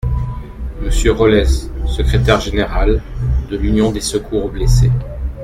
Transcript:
Monsieur Rollez, secrétaire général, de l'Union des Secours aux Blessés.